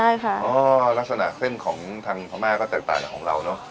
ใช่ค่ะอ๋อลักษณะเส้นของทางพม่าก็แตกต่างจากของเราเนอะ